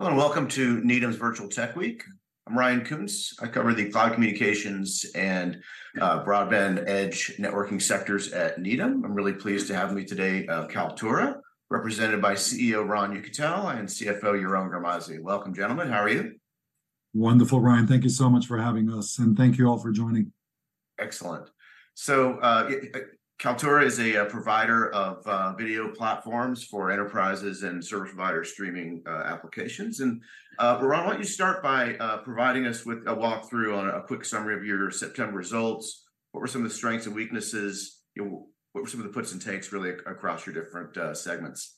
Hello, and welcome to Needham's Virtual Tech Week. I'm Ryan Koontz. I cover the cloud communications and broadband edge networking sectors at Needham. I'm really pleased to have me today, Kaltura, represented by CEO Ron Yekutiel and CFO Yaron Garmazi. Welcome, gentlemen. How are you? Wonderful, Ryan. Thank you so much for having us, and thank you all for joining. Excellent. So, Kaltura is a provider of video platforms for enterprises and service provider streaming applications. And, Ron, why don't you start by providing us with a walkthrough on a quick summary of your September results? What were some of the strengths and weaknesses, and what were some of the puts and takes really across your different segments?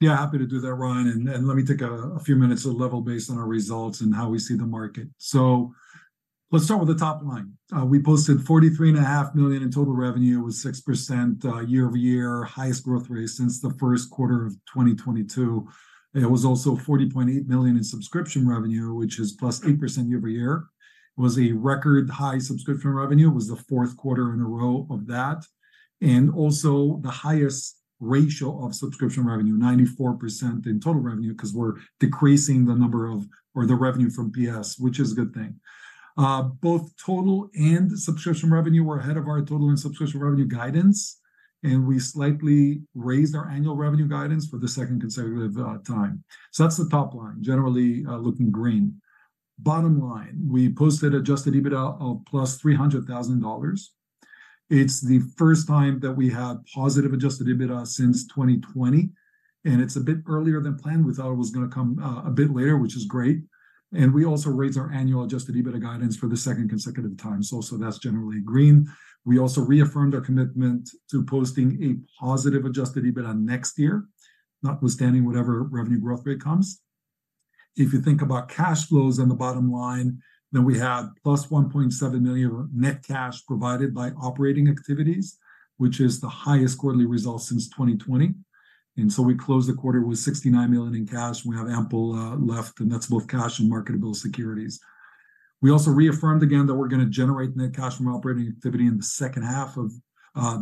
Yeah, happy to do that, Ryan. And let me take a few minutes to level set based on our results and how we see the market. So let's start with the top line. We posted $43.5 million in total revenue, with 6% year-over-year, highest growth rate since the first quarter of 2022. It was also $40.8 million in subscription revenue, which is +8% year-over-year. It was a record-high subscription revenue, it was the fourth quarter in a row of that, and also the highest ratio of subscription revenue, 94% in total revenue, 'cause we're decreasing the number of... or the revenue from PS, which is a good thing. Both total and subscription revenue were ahead of our total and subscription revenue guidance, and we slightly raised our annual revenue guidance for the second consecutive time. So that's the top line, generally, looking green. Bottom line, we posted adjusted EBITDA of +$300,000. It's the first time that we had positive adjusted EBITDA since 2020, and it's a bit earlier than planned. We thought it was gonna come a bit later, which is great, and we also raised our annual adjusted EBITDA guidance for the second consecutive time, so that's generally green. We also reaffirmed our commitment to posting a positive adjusted EBITDA next year, notwithstanding whatever revenue growth rate comes. If you think about cash flows on the bottom line, then we had +$1.7 million net cash provided by operating activities, which is the highest quarterly result since 2020. And so we closed the quarter with $69 million in cash. We have ample left, and that's both cash and marketable securities. We also reaffirmed again that we're gonna generate net cash from operating activity in the second half of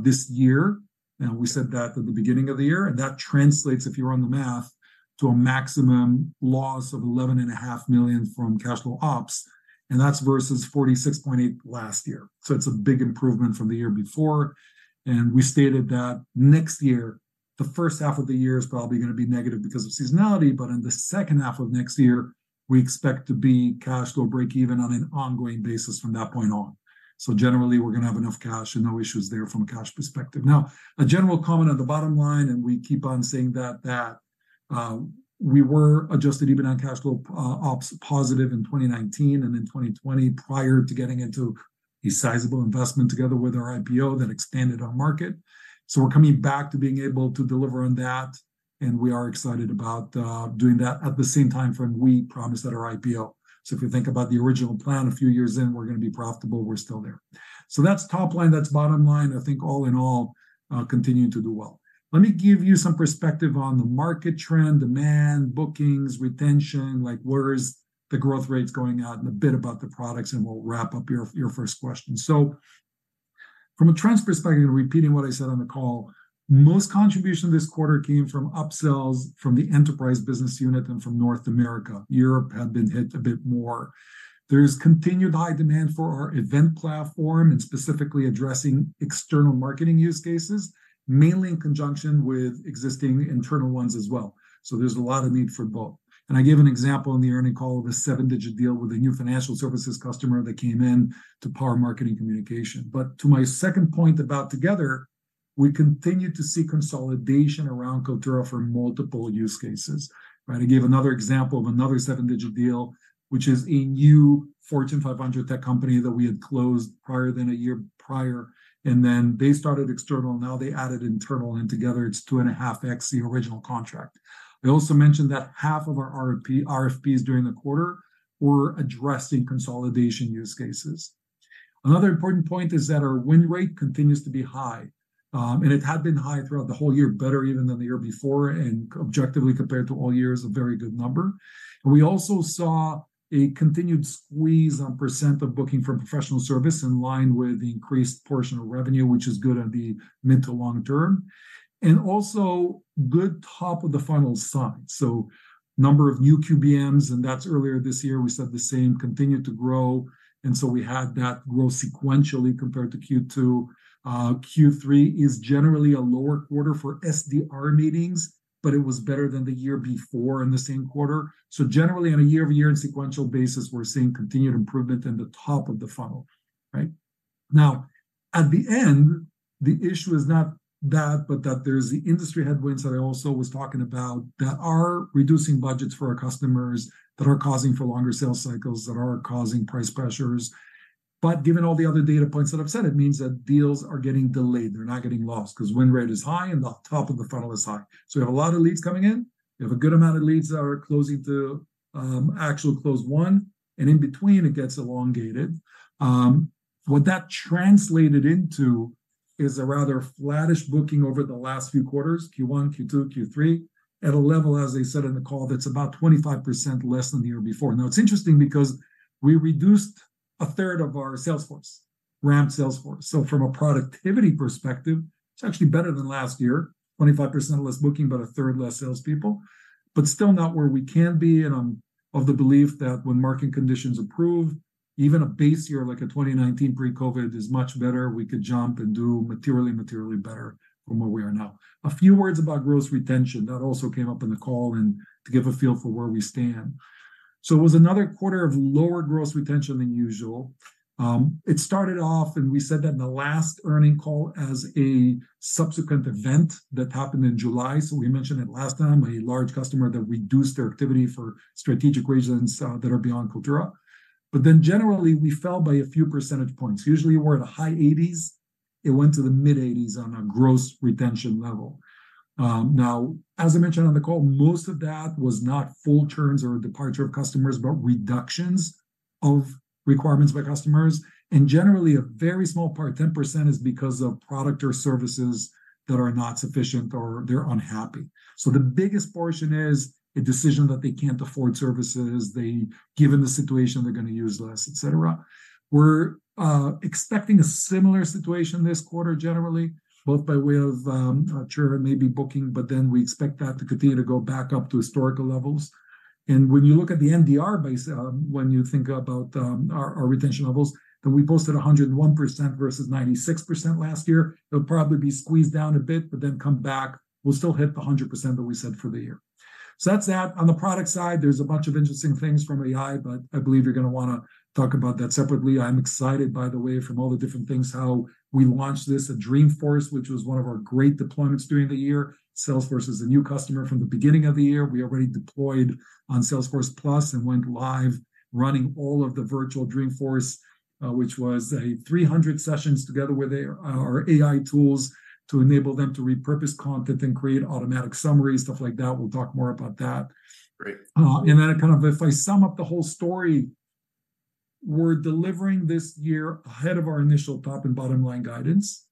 this year. We said that at the beginning of the year, and that translates, if you run the math, to a maximum loss of $11.5 million from cash flow ops, and that's versus $46.8 million last year. So it's a big improvement from the year before, and we stated that next year, the first half of the year is probably gonna be negative because of seasonality, but in the second half of next year, we expect to be cash flow break even on an ongoing basis from that point on. So generally, we're gonna have enough cash and no issues there from a cash perspective. Now, a general comment on the bottom line, and we keep on saying that we were adjusted EBITDA on cash flow ops positive in 2019 and in 2020, prior to getting into a sizable investment together with our IPO that expanded our market. So we're coming back to being able to deliver on that, and we are excited about doing that at the same time frame we promised at our IPO. So if you think about the original plan, a few years in, we're gonna be profitable, we're still there. So that's top line, that's bottom line. I think all in all, continuing to do well. Let me give you some perspective on the market trend, demand, bookings, retention, like where is the growth rates going out, and a bit about the products, and we'll wrap up your first question. So from a trends perspective, repeating what I said on the call, most contribution this quarter came from upsells from the enterprise business unit and from North America. Europe have been hit a bit more. There's continued high demand for our event platform, and specifically addressing external marketing use cases, mainly in conjunction with existing internal ones as well. So there's a lot of need for both. And I gave an example on the earnings call of a seven-digit deal with a new financial services customer that came in to power marketing communication. But to my second point about together, we continue to see consolidation around Kaltura for multiple use cases. Right, I gave another example of another seven-digit deal, which is a new Fortune 500 tech company that we had closed prior to a year prior, and then they started external, now they added internal, and together it's 2.5x the original contract. I also mentioned that half of our RFPs during the quarter were addressing consolidation use cases. Another important point is that our win rate continues to be high, and it had been high throughout the whole year, better even than the year before, and objectively compared to all years, a very good number. We also saw a continued squeeze on % of booking for professional service, in line with the increased portion of revenue, which is good on the mid- to long-term. Also, good top-of-the-funnel signs. So number of new QBMs, and that's earlier this year, we said the same, continued to grow, and so we had that grow sequentially compared to Q2. Q3 is generally a lower quarter for SDR meetings, but it was better than the year before in the same quarter. So generally, on a year-over-year and sequential basis, we're seeing continued improvement in the top of the funnel, right? Now, at the end, the issue is not that, but that there's the industry headwinds that I also was talking about that are reducing budgets for our customers, that are causing for longer sales cycles, that are causing price pressures. But given all the other data points that I've said, it means that deals are getting delayed, they're not getting lost, 'cause win rate is high, and the top of the funnel is high. So we have a lot of leads coming in, we have a good amount of leads that are closing to actual close one, and in between it gets elongated. What that translated into is a rather flattish booking over the last few quarters, Q1, Q2, Q3, at a level, as I said in the call, that's about 25% less than the year before. Now, it's interesting because we reduced a third of our sales force ramp sales force. So from a productivity perspective, it's actually better than last year. 25% less booking, but a third less salespeople, but still not where we can be, and I'm of the belief that when market conditions improve, even a base year like a 2019 pre-COVID is much better. We could jump and do materially, materially better from where we are now. A few words about gross retention. That also came up in the call, and to give a feel for where we stand. So it was another quarter of lower gross retention than usual. It started off, and we said that in the last earnings call, as a subsequent event that happened in July, so we mentioned it last time, a large customer that reduced their activity for strategic reasons, that are beyond Kaltura. But then generally, we fell by a few percentage points. Usually, we're at high 80s%; it went to the mid-80s% on a gross retention level. Now, as I mentioned on the call, most of that was not full terms or departure of customers, but reductions of requirements by customers, and generally, a very small part, 10%, is because of product or services that are not sufficient or they're unhappy. So the biggest portion is a decision that they can't afford services, they, given the situation, they're gonna use less, et cetera. We're expecting a similar situation this quarter, generally, both by way of churn, maybe booking, but then we expect that to continue to go back up to historical levels. And when you look at the NDR base, when you think about our retention levels, that we posted 101% versus 96% last year, it'll probably be squeezed down a bit, but then come back. We'll still hit the 100% that we said for the year. So that's that. On the product side, there's a bunch of interesting things from AI, but I believe you're gonna wanna talk about that separately. I'm excited, by the way, from all the different things, how we launched this at Dreamforce, which was one of our great deployments during the year. Salesforce is a new customer from the beginning of the year. We already deployed on Salesforce+ and went live running all of the virtual Dreamforce, which was a 300 sessions together with their, our AI tools, to enable them to repurpose content and create automatic summaries, stuff like that. We'll talk more about that. Great. And then kind of if I sum up the whole story, we're delivering this year ahead of our initial top and bottom line guidance.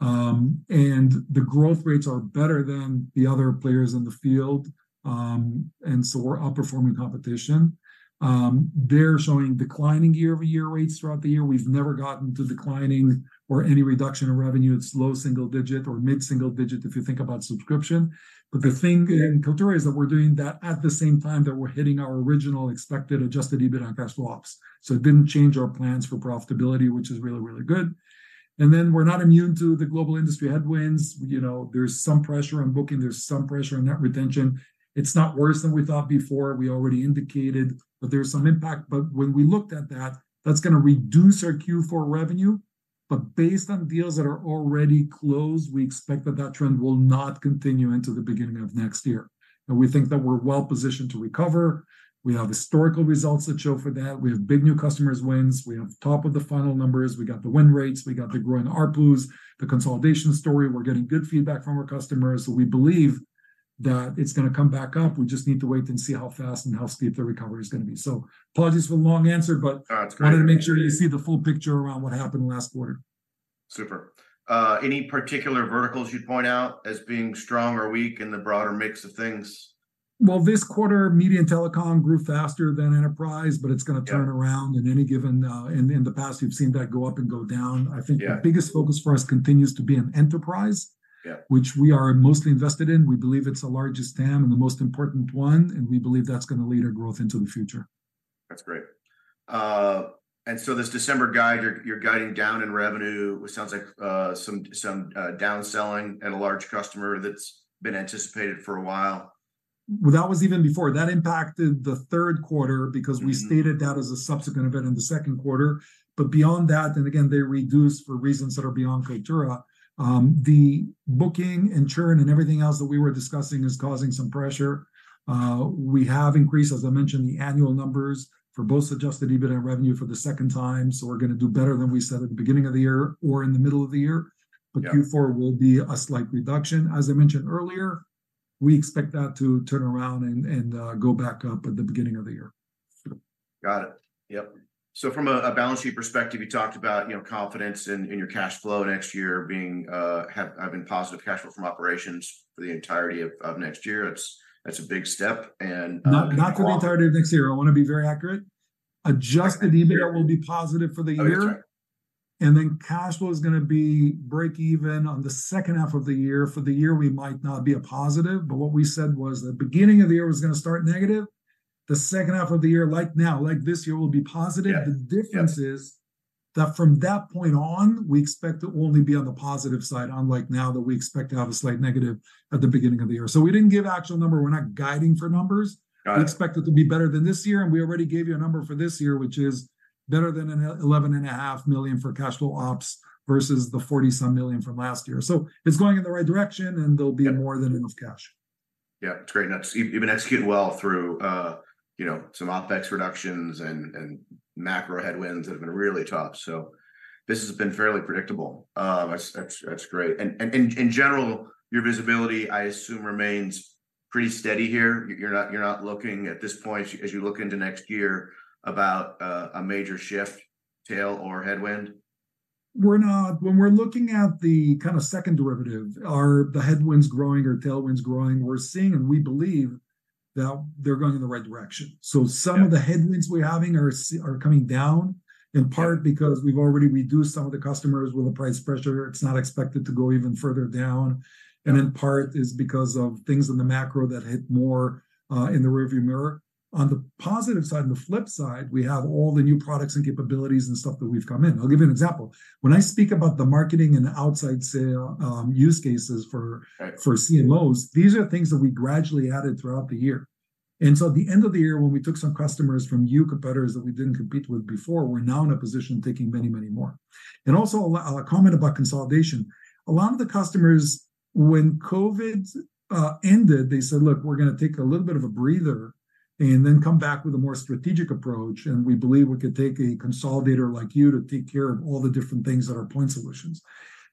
And the growth rates are better than the other players in the field. And so we're outperforming competition. They're showing declining year-over-year rates throughout the year. We've never gotten to declining or any reduction of revenue. It's low single digit or mid-single digit if you think about subscription. But the thing in Kaltura is that we're doing that at the same time that we're hitting our original expected adjusted EBITDA and cash flow ops. So it didn't change our plans for profitability, which is really, really good. And then, we're not immune to the global industry headwinds. You know, there's some pressure on booking, there's some pressure on net retention. It's not worse than we thought before. We already indicated that there's some impact, but when we looked at that, that's gonna reduce our Q4 revenue. But based on deals that are already closed, we expect that that trend will not continue into the beginning of next year, and we think that we're well positioned to recover. We have historical results that show for that. We have big new customers wins, we have top of the funnel numbers, we got the win rates, we got the growing ARPUs, the consolidation story. We're getting good feedback from our customers, so we believe that it's gonna come back up. We just need to wait and see how fast and how steep the recovery is gonna be. So apologies for the long answer, but- Ah, it's great. I wanted to make sure that you see the full picture around what happened last quarter. Super. Any particular verticals you'd point out as being strong or weak in the broader mix of things? Well, this quarter, media and telecom grew faster than enterprise, but it's gonna- Yeah... turn around in any given... In the past, we've seen that go up and go down. Yeah. I think the biggest focus for us continues to be in enterprise- Yeah ... which we are mostly invested in. We believe it's the largest TAM and the most important one, and we believe that's gonna lead our growth into the future. That's great. And so this December guide, you're guiding down in revenue, which sounds like some downselling and a large customer that's been anticipated for a while. Well, that was even before. That impacted the third quarter- Mm-hmm... because we stated that as a subsequent event in the second quarter. But beyond that, and again, they reduced for reasons that are beyond Kaltura, the booking and churn and everything else that we were discussing is causing some pressure. We have increased, as I mentioned, the annual numbers for both adjusted EBITDA revenue for the second time, so we're gonna do better than we said at the beginning of the year or in the middle of the year. Yeah. Q4 will be a slight reduction. As I mentioned earlier, we expect that to turn around and go back up at the beginning of the year. Got it. Yep. So from a balance sheet perspective, you talked about, you know, confidence in your cash flow next year, being having positive cash flow from operations for the entirety of next year. That's a big step, and moving forward- Not, not for the entirety of next year. I wanna be very accurate. Adjusted- Okay... EBITDA will be positive for the year. Okay, sure. And then cash flow is gonna be break even on the second half of the year. For the year, we might not be a positive, but what we said was, the beginning of the year was gonna start negative. The second half of the year, like now, like this year, will be positive. Yeah, yeah. The difference is that from that point on, we expect to only be on the positive side, unlike now, that we expect to have a slight negative at the beginning of the year. We didn't give actual number. We're not guiding for numbers. Got it. We expect it to be better than this year, and we already gave you a number for this year, which is better than $11.5 million for cash flow ops, versus the $40-some million from last year. So it's going in the right direction, and there'll be- Yeah... more than enough cash. Yeah, it's great. Now, you, you've been executing well through, you know, some OpEx reductions and macro headwinds that have been really tough, so this has been fairly predictable. That's great. And, in general, your visibility, I assume, remains pretty steady here. You're not looking, at this point, as you look into next year, about a major shift, tail or headwind? We're not. When we're looking at the kind of second derivative, are the headwinds growing or tailwinds growing? We're seeing and we believe that they're going in the right direction. Yeah. So some of the headwinds we're having are coming down, in part- Yeah... because we've already reduced some of the customers with the price pressure. It's not expected to go even further down. Yeah. In part is because of things in the macro that hit more in the rearview mirror. On the positive side, on the flip side, we have all the new products and capabilities and stuff that we've come in. I'll give you an example. When I speak about the marketing and outside sale, use cases for- Right... for CMOs, these are things that we gradually added throughout the year. And so at the end of the year, when we took some customers from your competitors that we didn't compete with before, we're now in a position taking many, many more. And also, a comment about consolidation. A lot of the customers, when COVID ended, they said: "Look, we're gonna take a little bit of a breather, and then come back with a more strategic approach, and we believe we could take a consolidator like you to take care of all the different things that are point solutions.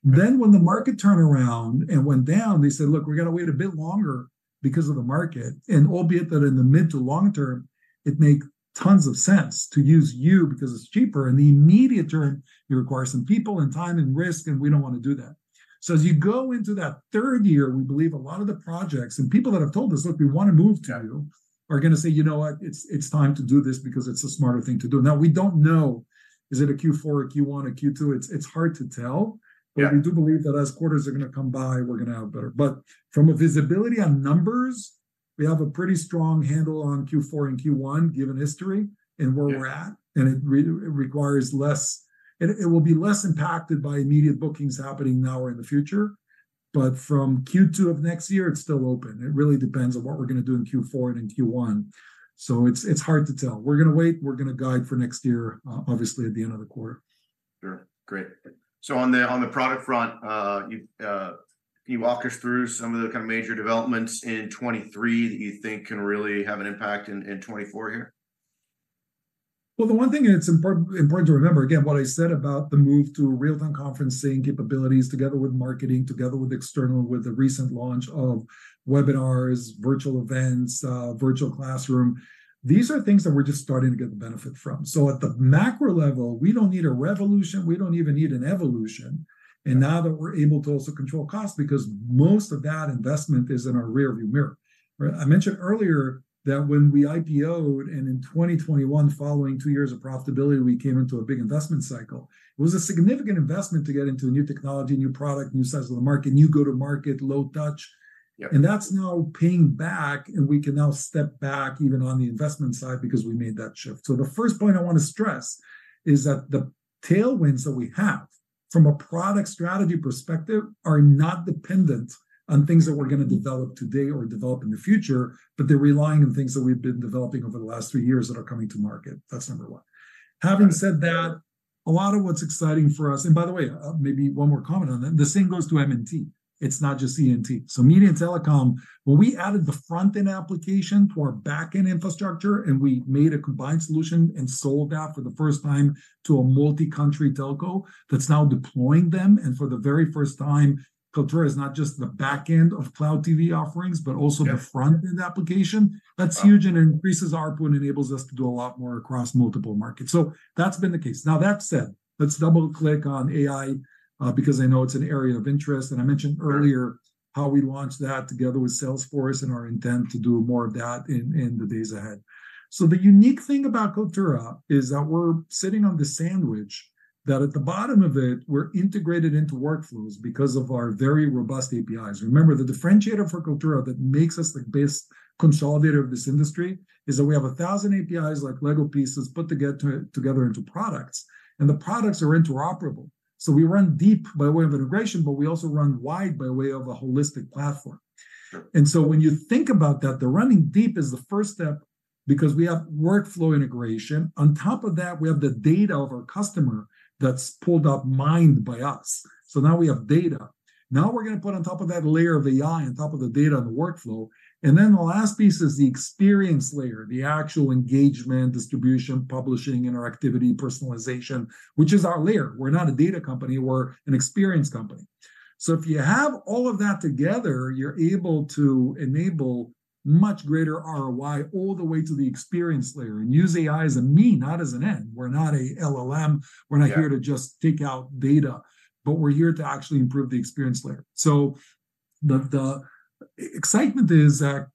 Right. Then, when the market turned around and went down, they said: "Look, we're gonna wait a bit longer because of the market, and albeit that in the mid to long term, it makes tons of sense to use you because it's cheaper. In the immediate term, you require some people, and time, and risk, and we don't wanna do that." So as you go into that third year, we believe a lot of the projects... And people that have told us, "Look, we wanna move to you," are gonna say, "You know what? It's, it's time to do this because it's a smarter thing to do." Now, we don't know, is it a Q4, a Q1, a Q2? It's, it's hard to tell. Yeah. We do believe that as quarters are gonna come by, we're gonna have better. From a visibility on numbers, we have a pretty strong handle on Q4 and Q1, given history. Yeah... and where we're at, and it requires less. It will be less impacted by immediate bookings happening now or in the future. But from Q2 of next year, it's still open. It really depends on what we're gonna do in Q4 and in Q1, so it's hard to tell. We're gonna wait. We're gonna guide for next year, obviously, at the end of the quarter. Sure. Great. So on the product front, can you walk us through some of the kind of major developments in 2023 that you think can really have an impact in 2024 here? Well, the one thing, and it's important, important to remember, again, what I said about the move to real-time conferencing capabilities together with marketing, together with external, with the recent launch of webinars, virtual events, virtual classroom, these are things that we're just starting to get the benefit from. So at the macro level, we don't need a revolution, we don't even need an evolution- Yeah... and now that we're able to also control cost, because most of that investment is in our rearview mirror. Right, I mentioned earlier that when we IPO-ed, and in 2021, following two years of profitability, we came into a big investment cycle, it was a significant investment to get into a new technology, a new product, new size of the market, new go-to-market, low touch. Yeah. And that's now paying back, and we can now step back, even on the investment side, because we made that shift. So the first point I wanna stress is that the tailwinds that we have, from a product strategy perspective, are not dependent on things that- Yeah... we're gonna develop today or develop in the future, but they're relying on things that we've been developing over the last three years that are coming to market. That's number one. Yeah. Having said that, a lot of what's exciting for us... And by the way, maybe one more comment on that, the same goes to M&T, it's not just CNT. So media and telecom, when we added the front-end application to our back-end infrastructure, and we made a combined solution and sold that for the first time to a multi-country telco that's now deploying them, and for the very first time, Kaltura is not just the back end of Cloud TV offerings, but also- Yeah... the front-end application. Wow! That's huge and increases our point, enables us to do a lot more across multiple markets. So that's been the case. Now, that said, let's double-click on AI, because I know it's an area of interest, and I mentioned earlier- Yeah... how we launched that together with Salesforce, and our intent to do more of that in the days ahead. So the unique thing about Kaltura is that we're sitting on the sandwich, that at the bottom of it, we're integrated into workflows because of our very robust APIs. Remember, the differentiator for Kaltura that makes us the best consolidator of this industry, is that we have 1,000 APIs, like Lego pieces, put together into products, and the products are interoperable. So we run deep by way of integration, but we also run wide by way of a holistic platform. Sure. And so when you think about that, the running deep is the first step because we have workflow integration. On top of that, we have the data of our customer that's pulled up, mined by us. So now we have data. Now we're gonna put on top of that layer of AI, on top of the data and the workflow, and then the last piece is the experience layer, the actual engagement, distribution, publishing, interactivity, personalization, which is our layer. We're not a data company, we're an experience company. So if you have all of that together, you're able to enable much greater ROI all the way to the experience layer, and use AI as a mean, not as an end. We're not a LLM. Yeah. We're not here to just take out data, but we're here to actually improve the experience layer. So the- Yeah... the excitement is that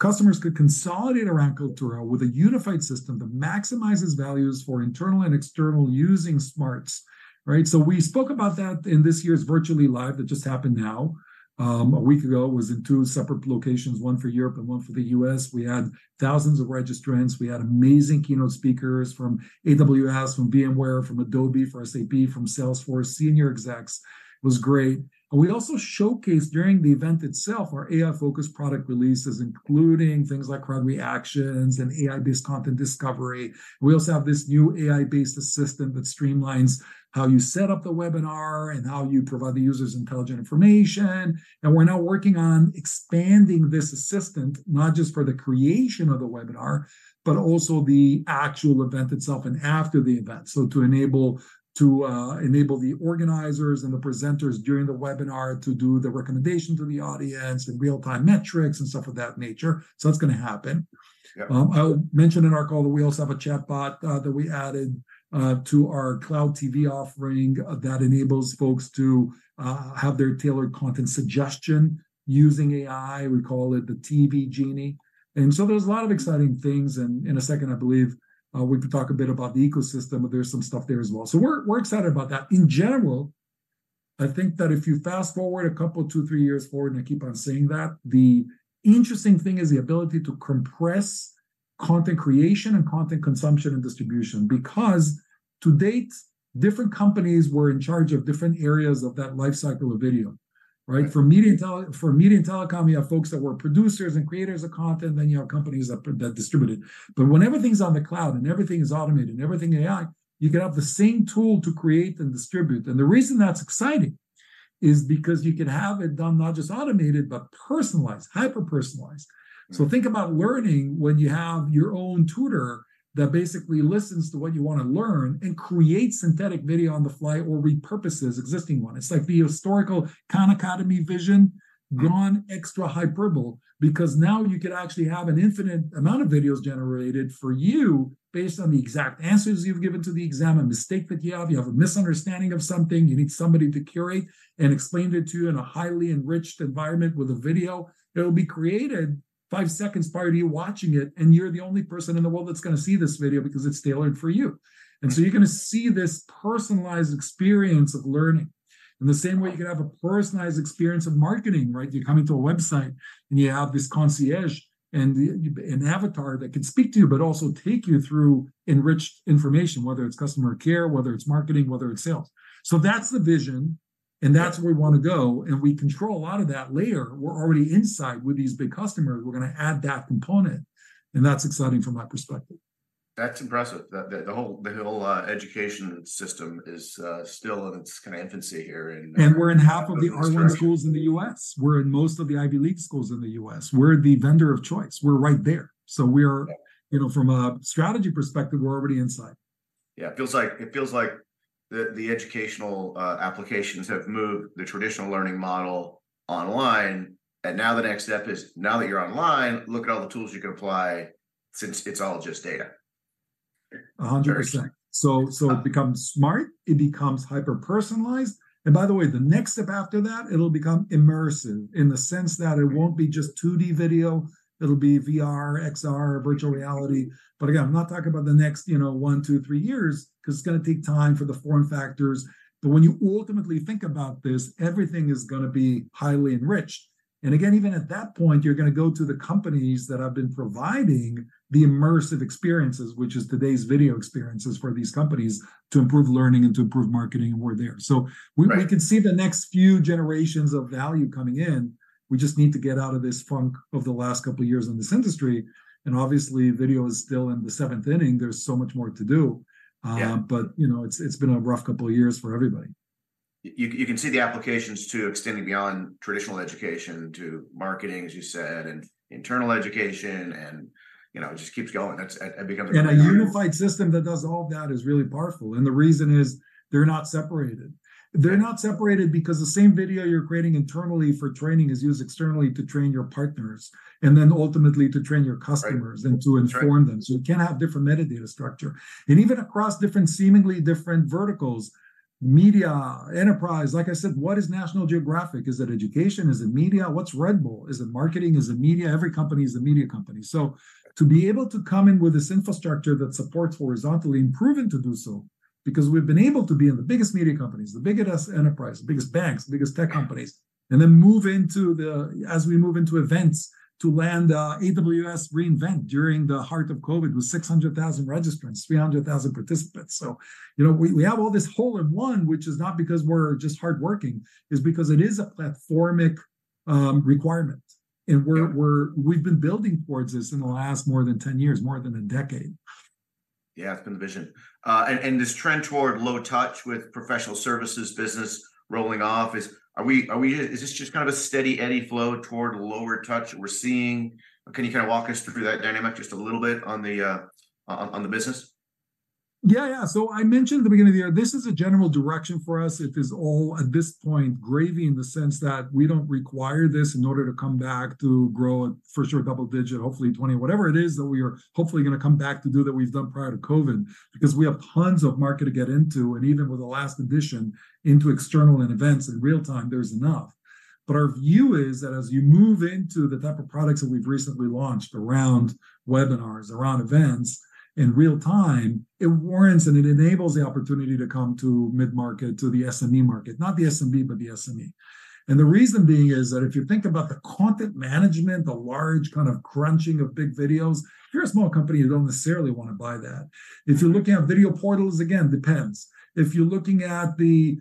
customers could consolidate around Kaltura with a unified system that maximizes values for internal and external using smarts, right? So we spoke about that in this year's Virtually Live!, that just happened now. A week ago, it was in two separate locations, one for Europe and one for the US. We had thousands of registrants. We had amazing keynote speakers from AWS, from VMware, from Adobe, from SAP, from Salesforce. Senior execs, it was great. And we also showcased, during the event itself, our AI-focused product releases, including things like crowd reactions and AI-based content discovery. We also have this new AI-based assistant that streamlines how you set up the webinar and how you provide the users intelligent information. We're now working on expanding this assistant, not just for the creation of the webinar, but also the actual event itself and after the event. So to enable the organizers and the presenters during the webinar to do the recommendation to the audience, and real-time metrics, and stuff of that nature. So that's gonna happen.... I would mention in our call that we also have a chatbot that we added to our Cloud TV offering that enables folks to have their tailored content suggestion using AI. We call it the TV Genie. And so there's a lot of exciting things, and in a second, I believe, we could talk a bit about the ecosystem, but there's some stuff there as well. So we're excited about that. In general, I think that if you fast-forward a couple, two, three years forward, and I keep on saying that, the interesting thing is the ability to compress content creation and content consumption and distribution. Because to date, different companies were in charge of different areas of that life cycle of video, right? Right. For media and telecom, you have folks that were producers and creators of content, then you have companies that distribute it. But when everything's on the cloud, and everything is automated, and everything AI, you can have the same tool to create and distribute. And the reason that's exciting is because you can have it done, not just automated, but personalized, hyper-personalized. Right. Think about learning when you have your own tutor that basically listens to what you wanna learn and creates synthetic video on the fly or repurposes existing one. It's like the historical Khan Academy vision- Mm... gone extra hyperbole, because now you could actually have an infinite amount of videos generated for you based on the exact answers you've given to the exam. A mistake that you have, you have a misunderstanding of something, you need somebody to curate and explain it to you in a highly enriched environment with a video, it'll be created five seconds prior to you watching it, and you're the only person in the world that's gonna see this video because it's tailored for you. Right. And so you're gonna see this personalized experience of learning. In the same way- Wow!... you can have a personalized experience of marketing, right? You come into a website, and you have this concierge and an avatar that can speak to you, but also take you through enriched information, whether it's customer care, whether it's marketing, whether it's sales. So that's the vision- Yeah ... and that's where we wanna go, and we control a lot of that layer. We're already inside with these big customers. We're gonna add that component, and that's exciting from my perspective. That's impressive. That the whole education system is still in its kind of infancy here, and- We're in half of the R1 schools.... exciting. in the U.S. We're in most of the Ivy League schools in the U.S. We're the vendor of choice. We're right there. So we're- Yeah... you know, from a strategy perspective, we're already inside. Yeah, it feels like, it feels like the educational applications have moved the traditional learning model online, and now the next step is, now that you're online, look at all the tools you can apply, since it's all just data. 100%. Very exciting. So, it becomes smart, it becomes hyper-personalized, and by the way, the next step after that, it'll become immersive, in the sense that- Right... it won't be just 2D video, it'll be VR, XR, virtual reality. But again, I'm not talking about the next, you know, one, two, three years, 'cause it's gonna take time for the form factors. But when you ultimately think about this, everything is gonna be highly enriched. And again, even at that point, you're gonna go to the companies that have been providing the immersive experiences, which is today's video experiences for these companies, to improve learning and to improve marketing, and we're there. Right. So we can see the next few generations of value coming in. We just need to get out of this funk of the last couple of years in this industry, and obviously, video is still in the seventh inning. There's so much more to do. Yeah. But, you know, it's been a rough couple of years for everybody. You can see the applications, too, extending beyond traditional education to marketing, as you said, and internal education, and, you know, it just keeps going. That's... It becomes a huge- A unified system that does all of that is really powerful, and the reason is, they're not separated. They're not separated because the same video you're creating internally for training is used externally to train your partners, and then ultimately to train your customers. Right... and to inform them. Right. You can have different metadata structure. Even across different, seemingly different verticals, media, enterprise... Like I said, what is National Geographic? Is it education? Is it media? What's Red Bull? Is it marketing? Is it media? Every company is a media company. Right. To be able to come in with this infrastructure that supports horizontally and proven to do so, because we've been able to be in the biggest media companies, the biggest enterprise, the biggest banks, the biggest tech companies. Yeah. Then, as we move into events, to land AWS re:Invent during the heart of COVID, with 600,000 registrants, 300,000 participants. So, you know, we have all this hole-in-one, which is not because we're just hardworking, it's because it is a platformic requirement. Yeah. We've been building towards this in the last more than 10 years, more than a decade. Yeah, it's been the vision. And this trend toward low touch with professional services, business rolling off, is this just kind of a steady Eddie flow toward lower touch that we're seeing? Can you kind of walk us through that dynamic just a little bit on the business? Yeah, yeah. So I mentioned at the beginning of the year, this is a general direction for us. It is all, at this point, gravy in the sense that we don't require this in order to come back to grow at, for sure, double-digit, hopefully 20. Whatever it is that we are hopefully gonna come back to do that we've done prior to COVID, because we have tons of market to get into, and even with the last addition, into external and events in real time, there's enough. But our view is that as you move into the type of products that we've recently launched around webinars, around events, in real time, it warrants and it enables the opportunity to come to mid-market, to the SME market, not the SMB, but the SME. The reason being is that if you think about the content management, the large kind of crunching of big videos, if you're a small company, you don't necessarily wanna buy that. Mm. If you're looking at video portals, again, depends. If you're looking at the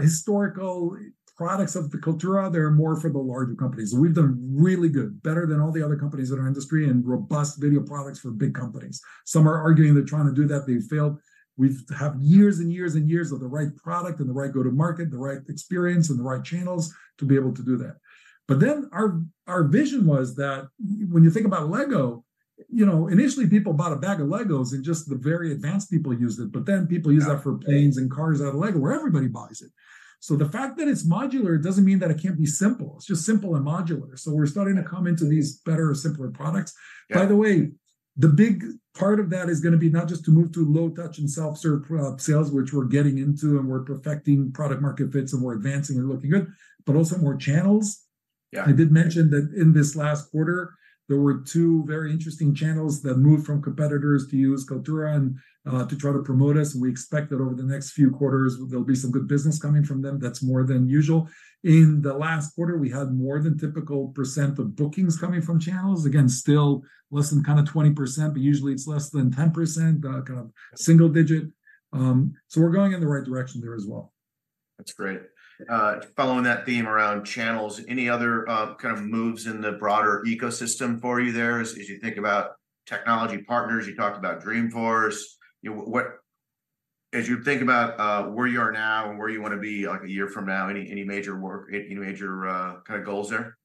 historical products of the Kaltura, they're more for the larger companies. We've done really good, better than all the other companies in our industry, and robust video products for big companies. Some are arguing they're trying to do that, they've failed. We have years and years and years of the right product, and the right go-to-market, the right experience, and the right channels to be able to do that. But then our vision was that when you think about Lego, you know, initially people bought a bag of Legos, and just the very advanced people used it, but then people use that- Yeah... for planes and cars out of LEGO, where everybody buys it. So the fact that it's modular doesn't mean that it can't be simple. It's just simple and modular. So we're starting to come into these better, simpler products. Yeah. By the way, the big part of that is gonna be not just to move to low-touch and self-serve pro sales, which we're getting into, and we're perfecting product market fits, and we're advancing and looking good, but also more channels. Yeah. I did mention that in this last quarter, there were two very interesting channels that moved from competitors to use Kaltura and to try to promote us. We expect that over the next few quarters, there'll be some good business coming from them. That's more than usual. In the last quarter, we had more than typical % of bookings coming from channels. Again, still less than kind of 20%, but usually it's less than 10%, kind of single digit. So we're going in the right direction there as well. That's great. Following that theme around channels, any other kind of moves in the broader ecosystem for you there as you think about technology partners? You talked about Dreamforce. You know, as you think about where you are now and where you wanna be, like, a year from now, any major work, any major kind of goals there?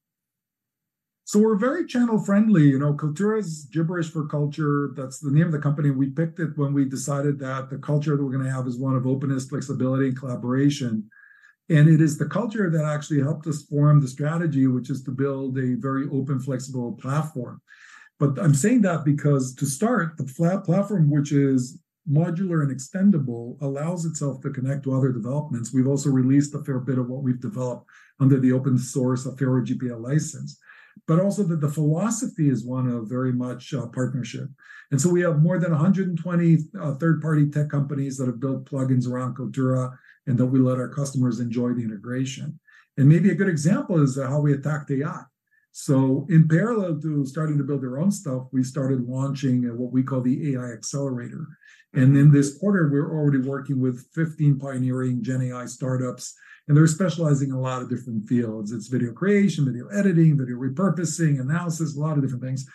So we're very channel-friendly. You know, Kaltura is gibberish for culture. That's the name of the company. We picked it when we decided that the culture that we're gonna have is one of openness, flexibility, and collaboration. And it is the culture that actually helped us form the strategy, which is to build a very open, flexible platform. But I'm saying that because to start, the platform, which is modular and extendable, allows itself to connect to other developments. We've also released a fair bit of what we've developed under the open source, an Affero GPL license, but also that the philosophy is one of very much partnership. And so we have more than 120 third-party tech companies that have built plugins around Kaltura, and then we let our customers enjoy the integration. And maybe a good example is how we attacked AI. So in parallel to starting to build their own stuff, we started launching, what we call the AI Accelerator. Mm. In this quarter, we're already working with 15 pioneering GenAI startups, and they're specializing in a lot of different fields. It's video creation, video editing, video repurposing, analysis, a lot of different things.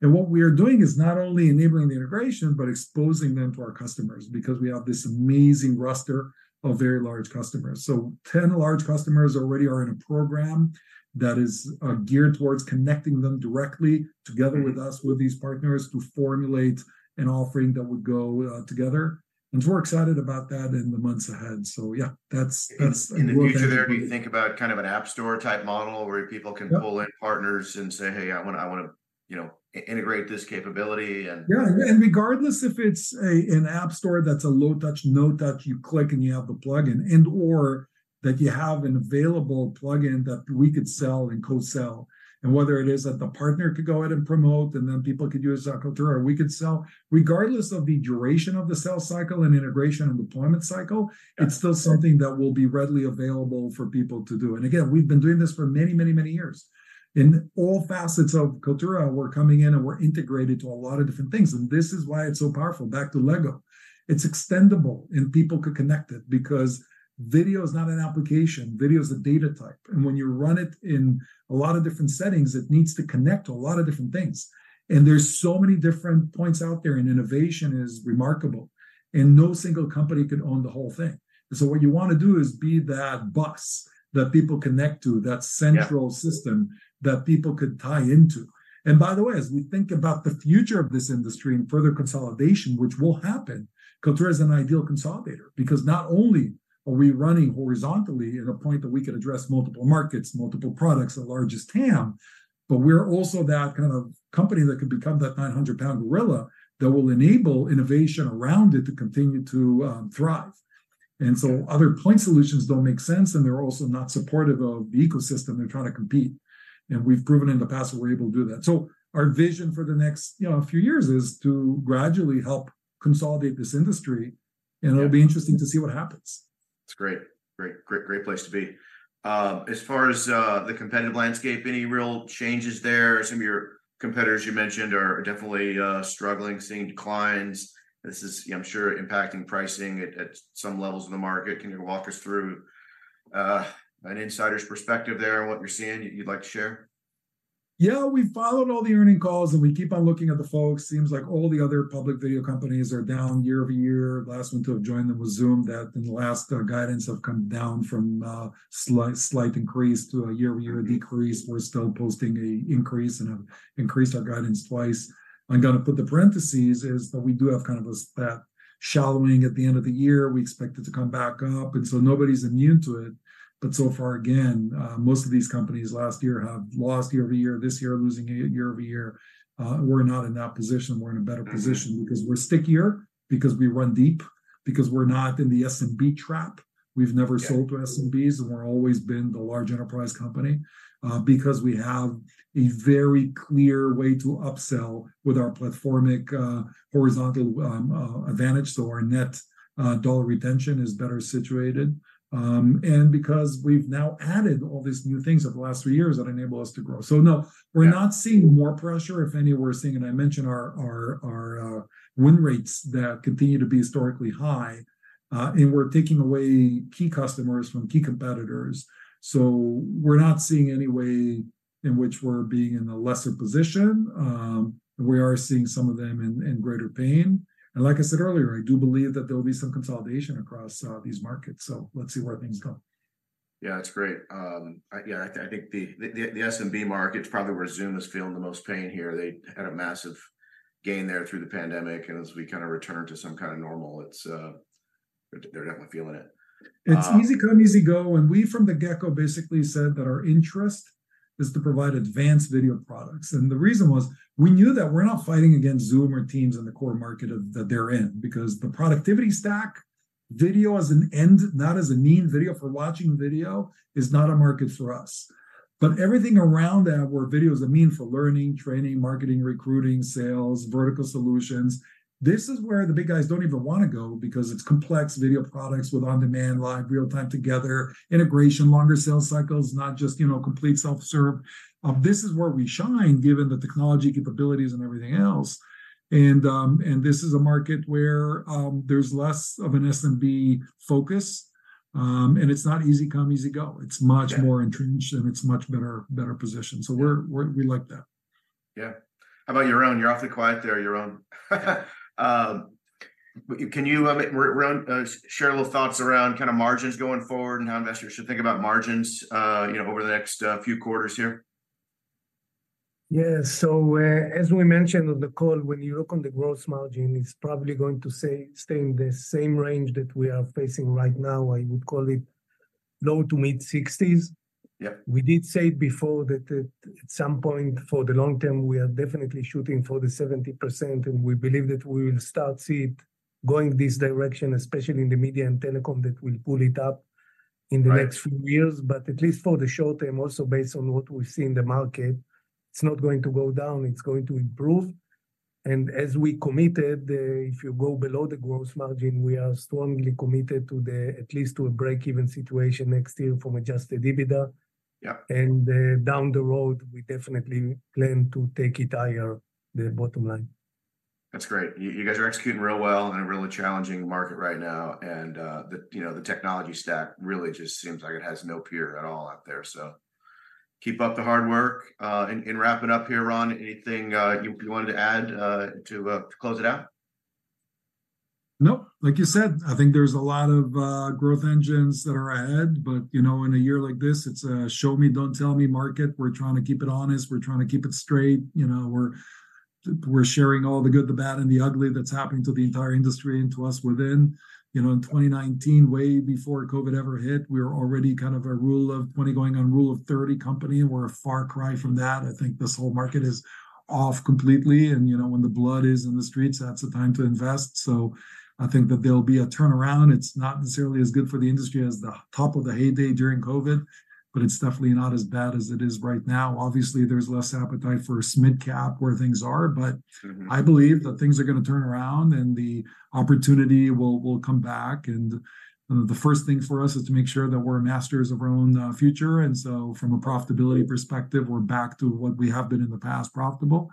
And what we are doing is not only enabling the integration, but exposing them to our customers because we have this amazing roster of very large customers. So 10 large customers already are in a program that is geared towards connecting them directly together- Mm... with us, with these partners, to formulate an offering that would go, together. And so we're excited about that in the months ahead. So yeah, that's, that's- In the future there, do you think about kind of an app store type model where people can- Yep... pull in partners and say, "Hey, I wanna, you know, integrate this capability," and- Yeah, and regardless if it's a, an app store that's a low touch, no touch, you click, and you have the plugin and/or that you have an available plugin that we could sell and co-sell, and whether it is that the partner could go ahead and promote, and then people could use Kaltura, or we could sell. Regardless of the duration of the sales cycle and integration and deployment cycle- Yeah... it's still something that will be readily available for people to do. And again, we've been doing this for many, many, many years. In all facets of Kaltura, we're coming in, and we're integrated to a lot of different things, and this is why it's so powerful. Back to Lego, it's extendable, and people could connect it because video is not an application. Video is a data type, and when you run it in a lot of different settings, it needs to connect to a lot of different things. And there's so many different points out there, and innovation is remarkable, and no single company could own the whole thing. And so what you wanna do is be that bus that people connect to, that central- Yeah... system that people could tie into. And by the way, as we think about the future of this industry and further consolidation, which will happen, Kaltura is an ideal consolidator. Because not only are we running horizontally at a point that we could address multiple markets, multiple products, the largest TAM, but we're also that kind of company that could become that 900-pound gorilla that will enable innovation around it to continue to thrive. Yeah. Other point solutions don't make sense, and they're also not supportive of the ecosystem. They're trying to compete, and we've proven in the past that we're able to do that. Our vision for the next, you know, few years is to gradually help consolidate this industry- Yeah... and it'll be interesting to see what happens. That's great. Great, great, great place to be. As far as the competitive landscape, any real changes there? Some of your competitors you mentioned are definitely struggling, seeing declines. This is, I'm sure, impacting pricing at some levels of the market. Can you walk us through an insider's perspective there on what you're seeing, you'd like to share? Yeah, we followed all the earnings calls, and we keep on looking at the folks. Seems like all the other public video companies are down year-over-year. Last one to have joined them was Zoom, that in the last guidance have come down from slight, slight increase to a year-over-year decrease. Mm. We're still posting an increase and have increased our guidance twice. I'm gonna put the parentheses is that we do have kind of a that shallowing at the end of the year. We expect it to come back up, and so nobody's immune to it, but so far, again, most of these companies last year have lost year-over-year, this year, losing a year-over-year. We're not in that position. We're in a better position- Mm-hmm... because we're stickier, because we run deep, because we're not in the SMB trap. Yeah. We've never sold to SMBs, and we're always been the large enterprise company, because we have a very clear way to upsell with our platformic horizontal advantage. So our net dollar retention is better situated, and because we've now added all these new things over the last three years that enable us to grow. So no- Yeah... we're not seeing more pressure, if any, we're seeing... And I mentioned our win rates that continue to be historically high, and we're taking away key customers from key competitors. So we're not seeing any way in which we're being in a lesser position. We are seeing some of them in greater pain. And like I said earlier, I do believe that there will be some consolidation across these markets. So let's see where things go. Yeah, it's great. Yeah, I think the SMB market's probably where Zoom is feeling the most pain here. They had a massive gain there through the pandemic, and as we kind of return to some kind of normal, it's, they're definitely feeling it. It's easy come, easy go, and we, from the get-go, basically said that our interest is to provide advanced video products. The reason was, we knew that we're not fighting against Zoom or Teams in the core market of, that they're in, because the productivity stack, video as an end, not as a means, video for watching video is not a market for us. But everything around that, where video is a means for learning, training, marketing, recruiting, sales, vertical solutions, this is where the big guys don't even wanna go, because it's complex video products with on-demand, live, real-time together, integration, longer sales cycles, not just, you know, complete self-serve. This is where we shine, given the technology capabilities and everything else. And this is a market where, there's less of an SMB focus. And it's not easy come, easy go. Yeah. It's much more entrenched, and it's much better, better positioned. Yeah. So we're, we like that. Yeah. How about Yaron? You're awfully quiet there, Yaron. Can you, Yaron, share a little thoughts around kinda margins going forward and how investors should think about margins, you know, over the next few quarters here? Yeah. As we mentioned on the call, when you look on the gross margin, it's probably going to stay in the same range that we are facing right now. I would call it low- to mid-60s. Yeah. We did say before that, that at some point, for the long term, we are definitely shooting for the 70%, and we believe that we will start to see it going this direction, especially in the media and telecom, that will pull it up- Right... in the next few years. But at least for the short term, also based on what we see in the market, it's not going to go down, it's going to improve. And as we committed, if you go below the gross margin, we are strongly committed to the, at least to a break-even situation next year from adjusted EBITDA. Yeah. Down the road, we definitely plan to take it higher, the bottom line. That's great. You guys are executing real well in a really challenging market right now, and, you know, the technology stack really just seems like it has no peer at all out there. So keep up the hard work. And wrapping up here, Ron, anything you wanted to add to close it out? Nope. Like you said, I think there's a lot of growth engines that are ahead, but, you know, in a year like this, it's a show me, don't tell me market. We're trying to keep it honest, we're trying to keep it straight. You know, we're sharing all the good, the bad, and the ugly that's happening to the entire industry and to us within. You know, in 2019, way before COVID ever hit, we were already kind of a rule of 20, going on rule of 30 company, and we're a far cry from that. I think this whole market is off completely, and, you know, when the blood is in the streets, that's the time to invest. So I think that there'll be a turnaround. It's not necessarily as good for the industry as the top of the heyday during COVID, but it's definitely not as bad as it is right now. Obviously, there's less appetite for a mid-cap where things are, but- Mm-hmm... I believe that things are gonna turn around, and the opportunity will, will come back. And the first thing for us is to make sure that we're masters of our own future, and so from a profitability perspective, we're back to what we have been in the past, profitable.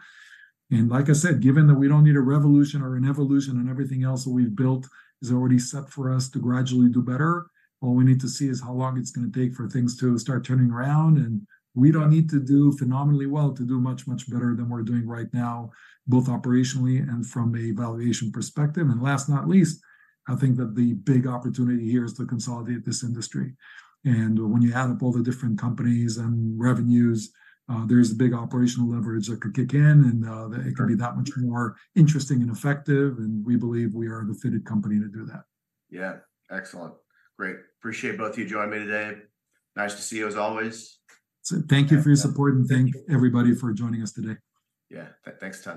And like I said, given that we don't need a revolution or an evolution, and everything else that we've built is already set for us to gradually do better, all we need to see is how long it's gonna take for things to start turning around. And we don't need to do phenomenally well to do much, much better than we're doing right now, both operationally and from a valuation perspective. And last not least, I think that the big opportunity here is to consolidate this industry. When you add up all the different companies and revenues, there's a big operational leverage that could kick in, and it can be that much more interesting and effective, and we believe we are the fitted company to do that. Yeah. Excellent. Great. Appreciate both of you joining me today. Nice to see you, as always. Thank you for your support, and thank everybody for joining us today. Yeah. Thanks, Ron.